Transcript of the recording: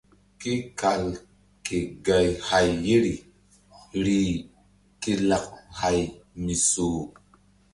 Ke kal ke gay hay ye ri rih ke lak hay mi soh.